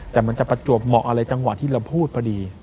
แต่มันจะประจวบเหมาะอะไรจังหวะที่เราพูดพอดี